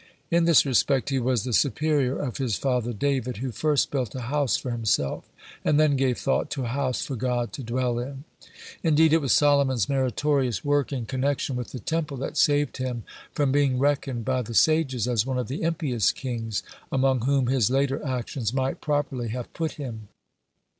In this respect, he was the superior of his father David, who first built a house for himself, and then gave thought to a house for God to dwell in. Indeed, it was Solomon's meritorious work in connection with the Temple that saved him from being reckoned by the sages as one of the impious kings, among whom his later actions might properly have put him.